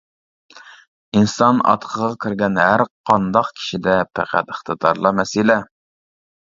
ئىنسان ئاتىقىغا كىرگەن ھەرقانداق كىشىدە پەقەت ئىقتىدارلا مەسىلە.